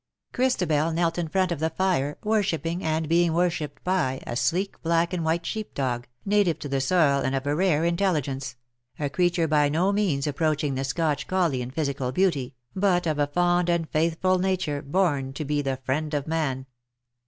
Christabel knelt in front of the fire, worshipping, and being worshipped by, a sleek black and white sheep dog, native to the soil, and of a rare intelligence — a creature by no means approaching the Scotch colley in physical beauty, but of a fond and faithful nature, born to be the friend of man.